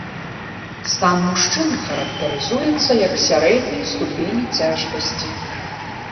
Стан мужчыны характарызуецца як сярэдняй ступені цяжкасці.